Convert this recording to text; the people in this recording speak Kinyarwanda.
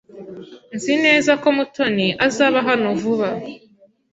Nzi neza ko Mutoni azaba hano vuba.